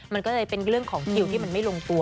มันก็เลยเป็นเรื่องของคิวที่มันไม่ลงตัว